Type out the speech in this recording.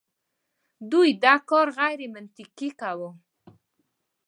دوی دا کار غیرمنطقي کوي.